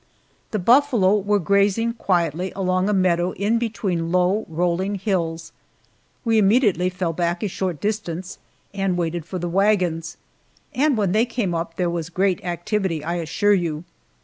The buffalo were grazing quietly along a meadow in between low, rolling hills. We immediately fell back a short distance and waited for the wagons, and when they came up there was great activity, I assure you.